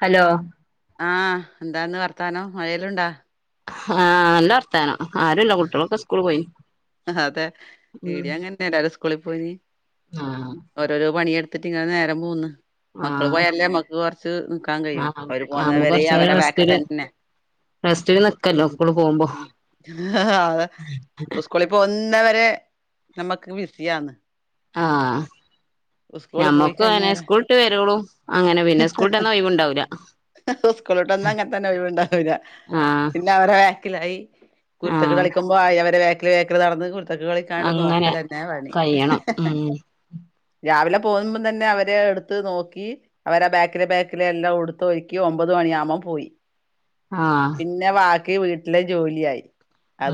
Hello ആഹ് എന്താന്ന് വർത്താനം മഴഴെല്ലുണ്ടാ ആഹ് നല്ല വർത്താനം ആരുല്ല കുട്ട്യോളൊക്കെ സ്കൂള് പോയി അഹ് അതെ ഉം ഈടിയങ്ങൻത്തെന്നെ എല്ലാരും സ്കൂളിൽ പോയി ആഹ് ഓരോരോ പണിയെടുത്തിട്ട് ഇങ്ങനെ നേരം പോവ്ന്ന് മക്കള് ആഹ് പോയാലല്ലേ അമ്മക്ക് കൊർച്ച് നിക്കാൻ കഴിയൊള്ളു അവര് ആഹ് പോവ്ന്നവരേ അവരെ വേക്ക് തന്നെ റസ്റ്റ്ല് നിക്കല്ലോ സ്ക്കൂൾള് പോകുമ്പോ ഉം അതെ ഉസ്കൂളി പോകുന്നവരെ നമ്മക്ക് ബിസിയാന്ന് ആഹ് സ്കൂളിൽ പോയി ഞമ്മക്കു അങ്ങനെ കഴിഞ്ഞാല് സ്കൂൾട്ട് വെരോളു അങ്ങനെ പിന്നെ സ്കൂൾട്ടെന്നാ ഒയ് വും ഇണ്ടാവൂല്ല ഉസ്ക്കൂള് വിട്ടെന്നാ അങ്ങൻത്തന്നെ ഒഴിവ് ഇണ്ടാവൂല്ല ആഹ് പിന്നെ അവരേ ക്കിലായി കുര്ത്തക്കേട് ആഹ് കളിക്കുമ്പോ ആയി അവരെ വേക്ക്ല് വേക്ക്ല് നടന്ന് കൊട് ത്തക്കേട് കളിക്കാണ്ട് അങ്ങനെ നോക്കലെന്നെ പണി കഴിയണം ഉം രാവിലെ പോവ്മ്പം തന്നെ അവരെ എടുത്ത് നോക്കി അവരെ ബാക്ക്ല് ബാക്കില് എല്ലാം ഉടുത്ത് ഒര്ക്കി ഒമ്പത് മണിയാകുമ്പം പോയി ആഹ് പിന്നെ വാക്കി വീട്ടിലെ ജോലിയായി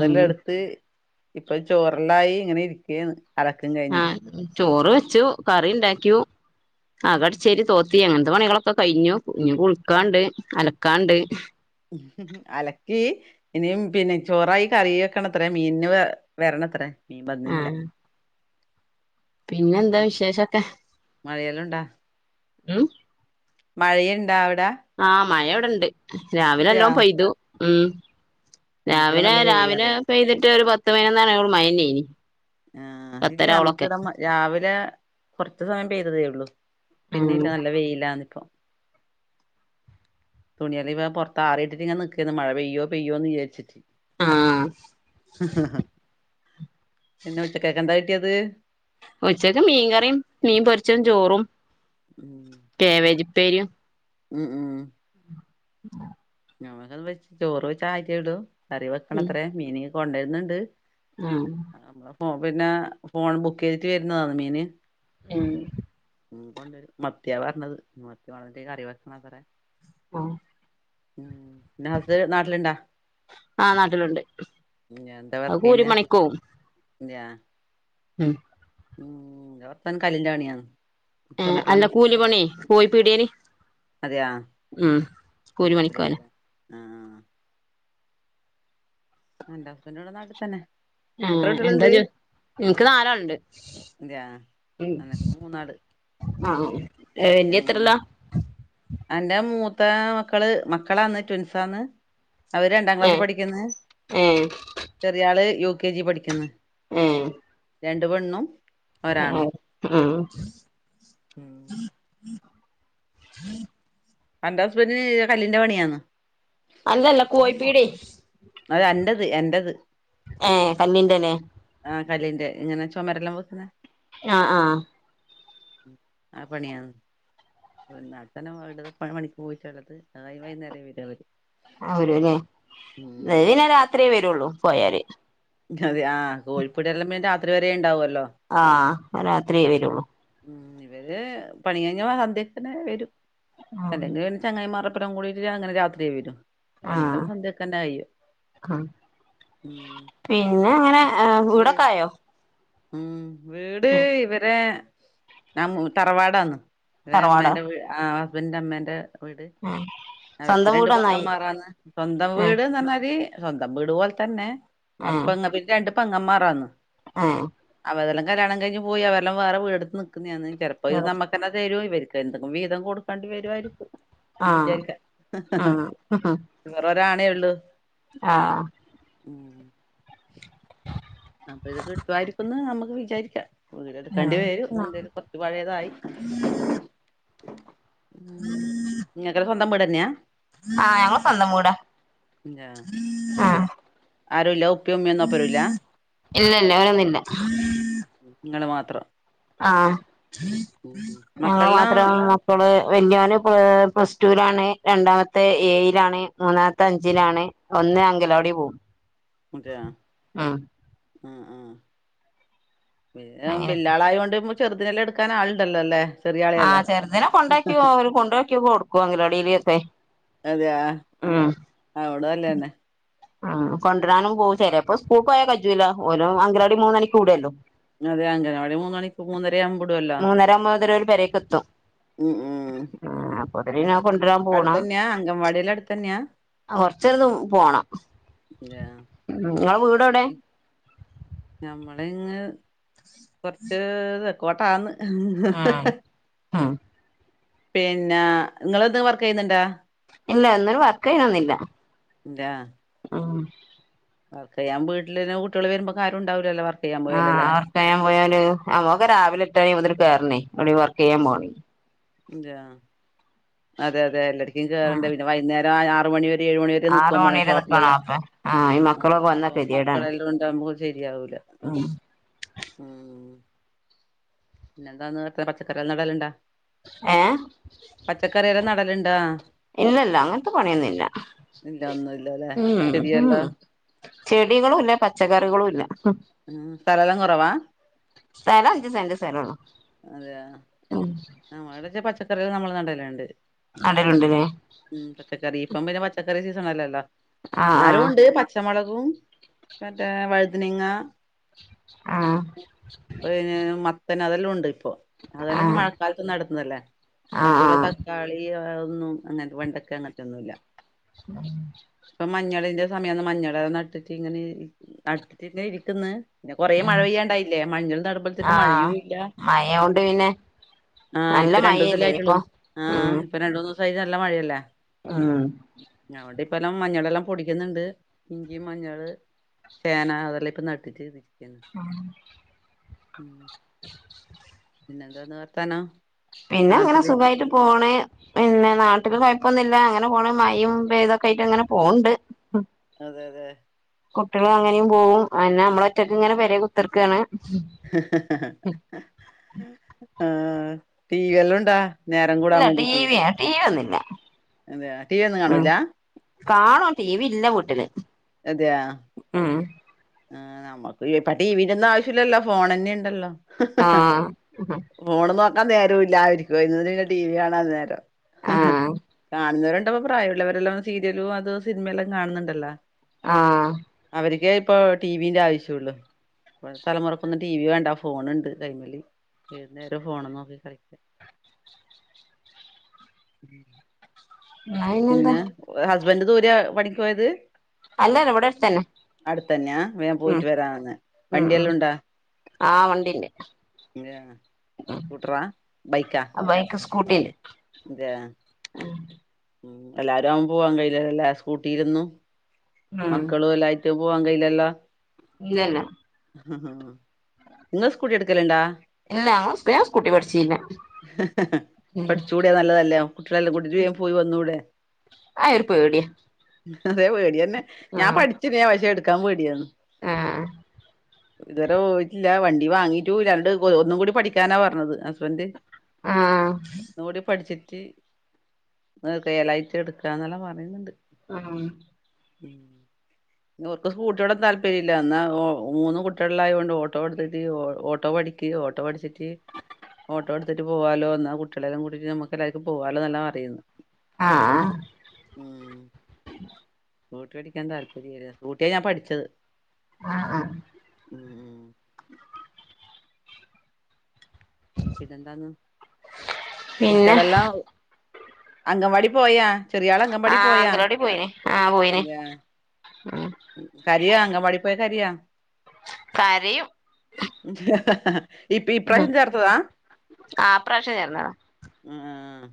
ഉം എട്ത്ത് ഇപ്പൊ ചോറ്ലായി ഇങ്ങനെ ഇരിക്കേന്ന് അലക്കും കഴിഞ്ഞിട്ട് ആഹ് ചോറ് വെച്ചു കറി ഇണ്ടാക്യു അക അടിച്ചോരി തോത്തി അങ്ങൻത്തെ പണികളൊക്കെ കഴിഞ്ഞു ഇഞ് കുൾക്കാണ്ട് അലക്കാണ്ട് ഉം ഹും ഹും അലക്കീ ഇനീയും പിന്നെ ചോറായി കറിയാക്കണത്രെ മീൻന് വ വെരണത്രേ മീൻ ബന്ന് ഇല്ല ആഹ് പിന്നെന്താ വിശേഷൊക്കെ മഴയെല്ലാം ഉം മഴയ്ണ്ടാ അവ്ടെ ആഹ് മഴ ഇവ്ടെണ്ട് രാവിലെ നല്ലോം പെയ്തു ഉം നമുക്കിവിടെ രാവിലെ നല്ല രാവിലെ വെയിലാണ് പെയ്ത്ട്ട് ഒരു പത്ത് പയ്നൊന്നണി ആവോളം മഴന്നേയ്നി ആഹ് ഇല്ല അമ്മക്ക്വ്ടെ രാവിലെ കൊർച്സമയം പെയ്തതേ ഉള്ളൂ പിന്നെ ആഹ് ഇല്ല നല്ല വെയിലാന്ന് ഇപ്പൊ തുണിയള് ഇവ പൊറത്താറിയിട്ട്ട്ട് ഇങ്ങനെ നിക്കേയ്ന്ന് മഴ പെയ്യോ പെയ്യോന്ന് വിയാരിച്ചിട്ട് ആഹ് പിന്നെ ഉച്ചക്കെക്കെന്താ കിട്ടിയത് ഉച്ചക്ക് മീൻകറീം മീൻ പൊര്ച്ചതും ചോറും ഉം കേവേജ് ഉപ്പേരിയും ഉം ഉം ഉം [unintelligible] ഞമ്മക്കതും വെച്ച് ചോറ് വെച്ചായിറ്റേ ഒള്ളു. കറി ഉം വെക്കണത്രേ മീനിങ്ങ് കൊണ്ടെര്ന്ന്ണ്ട് ആഹ് ഉം ഞമ്മളെ ഫോ പിന്നെ ഫോൺ ബുക്കെയ്യ്തിട്ട് വെര്ന്നതാന്ന് മീന് എം മീൻ കൊണ്ടെരും മത്തിയാ പർഞ്ഞത് മത്തി കൊണ്ടെന്നിറ്റ് കറി വെക്കണത്രേ ആഹ് ഉം നിന്റെ ഹസ്സ് നാട്ടില്ണ്ടാ ആ നാട്ടില്ണ്ട് അത് കൂലി പ ണിക്കോവും ഞാ ഉം ഉം ന്റെ ഭർത്താവിന് കല്ലിന്റെ പണിയാണ് ഏഹ് ചുമരെല്ലാം അല്ല വെക്കല് കൂലിപണിയെ കോഴി പീടിയേല് അതെയാ ഉം കൂലി പണിക്കോല ആഹ് എന്റെ ഹസ്ബന്റ് ഇവ്ടെ നാട്ട്ത്തെന്നെ ഏഹ് എന്താ ജോ ഇൻക്ക് നാലാള്ണ്ട് അതെയാ ഉം അനക്ക് മൂന്നാള് ആഹ് ഏഹ് വെല്ല്യെ എത്രലാ അന്റ മൂത്ത ആ മക്കള് മക്കളാന്ന് ട്വിൻസാന്ന് അവര് രണ്ടാം ക്ലാസ്സി ഏഹ് പഠിക്ക്ന്ന്. ഏഹ് ചെറിയ ആള് യു കെ ജി പഠിക്ക്ന്ന് ഏഹ് രണ്ട് പെണ്ണും ഏഹ് ഒരാണും ഉം ഉം അന്റെ ഹസ്ബന്റിന് കല്ലിന്റെ പണിയാന്നൊ അല്ലല്ല കോഴി പീട്യേ അത് അന്റത് എന്റത് ഏഹ് കല്ലിന്റെലെ ആഹ് കല്ലിന്റെ ഇങ്ങനെ ചുമരെല്ലാം വെക്ക്ണെ ആഹ് ആഹ് ആ പണിയാന്ന് വെന്നാ തന്നെ വീട്ത് പ പണിക്ക് പോയിട്ടള്ളത് അത് കഴിഞ്ഞ് വൈന്നേരം വരൊള്ളത് [unintelligible] ആഹ് വരൂല്ലേ ഇവര് ന്നെ രാത്രിയേ വരൊള്ളൂ പോയാല് അതെ ആഹ് കോഴിപ്പീടിയെല്ലാം പിന്നെ രാത്രി വരെ ഇണ്ടാവൊല്ലോ ആഹ് രാത്രിയേ വരുള്ളൂ ഉം ഇവര് പണി കഴിഞ്ഞ സധ്യക്കന്നെ വരും അല്ലെങ്കിൽ പി ചങ്ങായിമാരൊപ്പരം കൂടിട്ട് അങ്ങനെ രാത്രി വരും പണിയുടെ ആഹ് സന്തൊക്കെന്നായി ആഹ് ഉം പിന്നെ അങ്ങനെ ഏഹ് വീട് വീടൊക്കെ ആയോ ഉം വീട് ഇവരെ ന തറവാടാണ്‌ ഇവര് തറവാടോ അമ്മേന്റെ വ് ആഹ് ഹസ്ബന്റെ അമ്മേന്റെ വീട് ഉം അവർക്ക് രണ്ട് പൊങ്ങൻമാറാന്ന് സ്വന്തം ഏഹ് വീട് പറഞ്ഞാല് സ്വന്തം വീട് പോലെ തന്നെ ഏഹ് [unintelligible] രണ്ട് പെങ്ങന്മാരാന്ന് ഏഹ് അവരെല്ലാം കല്യാണം കഴിഞ്ഞ് പോയി അവരെല്ലാം വേറെ വീടെട്ത്ത് നിക്കുന്നെ ആന്ന് ചെലപ്പോ ഇത് നമ്മ ക്കെന്നെ തരു ഇവരിക്ക എന്തെങ്കും വീതം കൊടുക്കെണ്ടി വെരുവായിരിക്കു എന്ന് ആഹ് വിചാരിക്ക ആഹ് ആഹ് ഇവറൊര് ആണേ ഒള്ളൂ ആഹ് ഉം ! ! ! ! ! അപ്പൊ ഇത് കിട്ടുവായിരിക്കുന്ന് നമ്മക്ക് വിചാരിക്ക വീടെടുക്കേണ്ടി വരും എന്തേലൊക്കെ ഇത് പഴേതായി ഉം ഇങ്ങക്ക് സ്വന്തം വീടെന്ന്യാ ആഹ് ഞങ്ങള് സ്വന്തം വീടാ ഇല്ല ആഹ് ആരുല്ല ഉപ്പയും ഉമ്മയൊന്നും ഒപ്പരൂല്ല ഇല്ല ഇല്ല വേറൊന്നില്ല നിങ്ങള് മാത്രം ആഹ് ഉം ഞങ്ങള് മക്കളെല്ലാം മാത്രം ഒള്ളൂ ഇപ്പള് വല്യവന് പ്ലസ്ടുലാണ് രണ്ടാമത്തെ ഏയിലാണ് മൂന്നാമത്തെ അഞ്ചിലാണ് ഒന്ന് അങ്കിലവാടി പോകും [unintelligible] ആഹ് ആഹ് പിന്നെ അങ്ങനെ ബില്ലാള ആയോണ്ട് ചെറുതിനെല്ലാം എടുക്കാ ആളുണ്ടല്ലോ അല്ലേ ചെറിയ ആളെയല്ലോ ആഹ് ചെറുതിനെ കൊണ്ടാക്കി അവര് കൊണ്ടാക്കി കൊടുക്കു അംഗനവാടിയില് [unintelligible] അതെയ അതോട് നല്ലേന്നെ ആഹ് കൊണ്ടരാനും പോവും ചെലേപ്പം സ്കൂൾക്ക്‌ പോയാ കജുല്ല ഓലെ അങ്കനവാടി മൂന്ന് മണിക്ക്‌ വിടോല്ലോ അതെ അങ്കനവാടി അവി മൂന്ന് മണി മൂന്നര ആകുമ്പോ വിടോല്ലോ മൂന്നര ആവുമ്പോത്തിനു ഓര് പെരേക്കെത്തും ഉ ഉം അപ്പോത്തിന് പിന്നെ കൊണ്ടരാൻ പോണം അടുത്തന്നെയാ അംഗൻവാടിയെല്ലാം അടുത്തന്നെയാ ആഹ് കൊറച്ചവിടുന്നു പോണം അതെയോ ഉം ഇങ്ങള വീട് എവിടെ ഞമ്മള് ഇങ്ങ് കൊറച്ച് തെക്കോട്ടാന്ന് ആഹ് ആഹ് പിന്നെ നിങ്ങെന്തെങ്കിലും വർക്ക് ചെയ്യുന്നുണ്ട ഇല്ല ഒന്നിലും വർക്ക് ചെയ്യണൊന്നില്ല [unintelligible] ആഹ് വർക്ക് ചെയ്യാൻ വീട്ടില് പിന്നെ കുട്ടികൾ വരുമ്പോ ആരും ഉണ്ടാവൂലല്ലോ വർക്ക് ചെയ്യാൻ പോയാലല്ലേ വർക്ക്‌ ചെയ്യാൻ പോയല് അമ്മക്ക്‌ രാവിലെ എട്ടണി മുതൽ കേയറണേ എവടേ വർക്ക് ചെയ്യാൻ പോണേ അതെയോ അതെ അതേ എല്ലാടക്കും കേറണ്ട പിന്നെ വൈന്നേരം ആറ് മണി വരെ ഒരു ഏഴ് മണി വരെ ആറ് നിക്കാൻ പോണേ മണി വരെ നിക്കണോ ഷോപ്പിലെല്ലാം അപ്പൊ ആഹ് ഈ മക്കളൊക്കെ വന്നാ അപ്പൊ മക്കളെല്ലാം ഉണ്ടാവുമ്പോ ശരിയാവൂല ആഹ് ഉം പിന്നെന്താന്ന് വെച്ചാ പച്ചക്കറി നടലുണ്ടാ ഏഹ് പച്ചക്കറി വല്ലോം നടലുണ്ടോ? ഇല്ലല്ല അങ്ങനത്തെ പണിയൊന്നില്ല ഇല്ല ഒന്നുംല്ലല്ലേ ഉം ഉം ഉം ചെടിയെല്ലാം ഉം ചെടികളും ഇല്ല പച്ചക്കറികളും ഇല്ല സ്ഥലെല്ലാം കൊറവാ സ്ഥലം അഞ്ച് സെന്റ് സ്ഥലൊള്ളൂ അതെയോ [unintelligible] നമ്മളെ ഇവടെ പച്ചക്കറികൾ നമ്മൾ നടലുണ്ട് നടലുണ്ട്ലെ ഉം പച്ചക്കറി ഇപ്പം പിന്നെ പച്ചക്കറി സീസണല്ലല്ലോ ആഹ് എന്നാലൂണ്ട് പച്ചമുളകും മറ്റേ വഴുതനങ്ങ ആഹ് വൈന്നേരം മ പിന്നെ അതെല്ലും ഉണ്ട് ഇപ്പൊ ആഹ് അതെല്ലാം ആഹ് മഴക്കാലത്ത് നടത്തുന്നതല്ലേ മറ്റുള്ള ആഹ് ത ആഹ് ക്കാളി ഒന്നും അങ്ങനത്തെ വെണ്ടക്കെ അങ്ങനത്തെന്നുല്ല മഞ്ഞളിന്റെ സമയന്ന് മഞ്ഞള് നട്ടിട്ട്ങ്ങനെ നട്ടിട്ടിങ്ങേ ഇരിക്കുന്ന് പിന്നെ കൊറേ മഴ പെയ്യാണ്ടായില്ലേ മഞ്ഞൾ നടുമ്പത്തേക്ക് മഴയും ഇല്ല മയ കൊണ്ട് പിന്നെ ആഹ് നല്ല ഇപ്പൊ രണ്ടൂസല്ലേ മഴയല്ലേ ആയിട്ടുള്ളു ഇനിയിപ്പോ ആഹ് ഉം ഇപ്പൊ രണ്ടൂന്ന്സായിട്ട് നല്ല മഴയല്ലേ ഉം ഞങടിപ്പെല്ലാം മഞ്ഞളെല്ലാം പൊടിക്കുന്നുണ്ട്. ഇഞ്ചി മഞ്ഞള് ചേന അതെല്ലാ ഇപ്പ നട്ടിട്ട് ഇരിക്കുന്നു പിന്നെന്താന്ന് വർത്താനോ പിന്നങ്ങനെ സുഖായിട്ട് പോണ് പിന്നെ നാട്ടില് കൊഴപ്പൊന്നുല്ല അങ്ങനെ പോണ് മയും വേതൊക്കെ ആയിട്ടങ്ങനെ പോണ്ട് അതെഅതെ കുട്ട്യളങ്ങനിം പോവും, അന്നെ അമ്മളൊറ്റക്ക്ങ്ങനെ പെരേ കുത്തർക്കാണ് ആഹ് ടി വി എല്ലുണ്ടാ ഇല്ല ടിവിയാ ടി വി ഒന്നില്ല അതേയാ ടി വി ഒന്നും കാണൂല കാണും ടീ വില്ല വീട്ടില് അതെയാ ഉം ആഹ് നമ്മക്ക് ഇപ്പ ടിവിൻ്റെ ഒന്നും ആവശ്യല്ലല്ലോ ഫോണന്നെണ്ടല്ലോ ആഹ് ഫോണ് നോക്കാൻ നേരം ഇല്ലായിരിക്കുവ എന്നിട്ട് പിന്നെ ടി വി കാണാൻ നേരം ആഹ് കാണുന്നവര പ്പ പ്രായുള്ളവരെല്ലാം സീരിയലും അതും സിനിമയെല്ലാം കാണുന്നുണ്ടല്ലോ ആഹ് അവരിക്ക് ഇപ്പൊ ടി വിന്റെ ആവശ്യള്ളു പ്പഴത്തെ തലമുറക്കൊന്നും ടി വി വേണ്ട ഫോണുണ്ട് കൈമല്ലി ഏതുന്നേരം ഫോണ് നോക്കി കളിക ഉം ന്നാ പിന്നെന്താ പിന്നെ ഹസ്ബൻഡ് ദൂരെയാ പണിക്ക് പോയത് അല്ലല്ല ഇവിടെ അടുത്തന്നെ അടുത്തന്നെയാ വേം ഉം പോയിട്ട് വരാന്ന് ഉം ഉം വണ്ടിയെല്ലുണ്ടാ ആഹ് വണ്ടിണ്ട്, സ്കൂട്ടറാ ആഹ് ബൈക്ക് സ്കൂട്ടീല് അതെ ഉം എല്ലാരും ആവുമ്പ പോവാൻ കഴയില്ലല്ലലേ സ്‌കൂട്ടിലു ന്നു ഉം മക്കളും എല്ലായിട്ട് പോവാൻ കയ്യിലല്ല ഇല്ലല്ല ഇങ്ങ സ്കൂട്ടി എടുക്കലുണ്ടാ ഇല്ല ഞങ്ള് ഞാൻ സ്കൂട്ടി പഠിച്ചില്ല ഉം ച്ചാ നല്ലതല്ല കുട്ട്യളെല്ലം കൂട്ടീട്ട് പോയി വന്നുടെ അയരു പേട്യ അതെ പേട്യന്നെ, ഞാൻ പഠിച്ചന പക്ഷേ ഇട്ക്കാൻ പേടിയാന്ന് ആഹ് ഇതുവരെ ഓയിട്ടില്ല വണ്ടി വാങ്ങിട്ടുല്ല രണ്ട് ഒന്നും കൂടി പഠിക്കാനാ പറഞ്ഞത് ഹസ്ബന്ഡ് ആഹ് ഒന്നുടെപഠിച്ചിട്ട് റിയൽ ആയിട്ട് എടുക്കാന്നല്ലാം പറയുന്നുണ്ട് ആഹ് ഉം പിന്നെ ഓർക്ക് സ്കൂട്ടിയോണ്ടൊന്നും താല്പര്യല്ല എന്നാ മൂന്ന് കുട്ടികള് ആയോണ്ട് ഓട്ടോ എടുത്തിട്ട് ഓ ഓട്ടോ പഠി ക്കി ഓട്ടോ പഠിച്ചിട്ട് ഓട്ടോ എടുത്തിട്ട് പോവാലോ എന്ന കുട്ടി കുട്ടിയളെല്ലാം കൂട്ടിട്ട് നമുക്ക് എല്ലാർക്കും പോകാലോന്നെല്ലാം പറയൂ ആഹ് ആഹ് ഉം സ്കൂട്ടി പടിക്കാൻ താൽപര്യല്ല സ്കൂട്ടിയാ ഞാൻ പഠിച്ചത് ആഹ് ആഹ് ഉം പിന്നെന്താന്ന് പിന്നെ കുട്ടിയളെല്ലാം അംഗൻവാടി പോയ? ആഹ് അങ്കലവാടി പോയിനി ആഹ് പോയിനി ഉം കരിയാോ അങ്കൻവാടി പോയ കരിയാ? കരയും ഇപ്പ ഉം ഇപ്രാവിശ്യം ചേർത്തതാ? ആ ഇപ്രാവശ്യം ചേർന്നതാ ആഹ്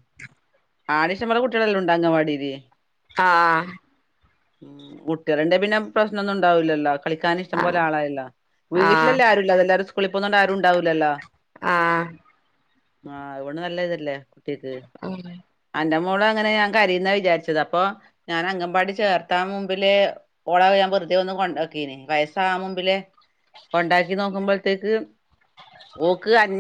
[unintelligible] കുട്ടികളെല്ലും ഉണ്ടോ അങ്കലവാടിയില്? ആഹ് ഉം കുട്ടികള് ഇണ്ടേൽ പിന്നെ പ്രശ്നൊന്നു ഉണ്ടാവൂല്ലല്ലോ കളിക്കാന് ഇഷ്ടം പോലെ ആഹ് ആളായല്ലോ ആഹ് വീട്ടിലല്ലെആരുല്ലാത്ത എല്ലാരും സ്കുളി പോന്നോണ്ട് ആരും ഇണ്ടാവൂലല്ലോ? ആഹ് ആഹ് അത് കൊണ്ട് നല്ല ഇതല്ലേ കുട്ടിയക്ക്? ഉം അന്റെ മോളങ്ങനെ ഞാൻ കരയുന്ന വിചാരിച്ചത് അപ്പൊ ഞാൻ അങ്കമ്പാടി ചേർത്താ മുമ്പില് ഓളെ ഞാൻ വെറുതെ ഒന്ന് കൊണ്ടോക്കീന് വയസ്സാവാ മുമ്പില് കൊണ്ടാക്കി നോക്കുമ്പഴത്തേക്ക് ഓക്ക് അ